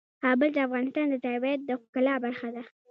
کابل د افغانستان د طبیعت د ښکلا برخه ده.